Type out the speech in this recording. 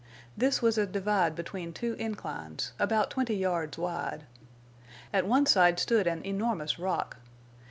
This was a divide between two inclines, about twenty yards wide. At one side stood an enormous rock.